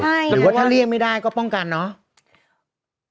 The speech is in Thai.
หรือว่าถ้าเลี่ยงไม่ได้ก็ป้องกันเนาะ